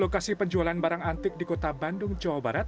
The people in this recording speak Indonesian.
kota bandung jawa barat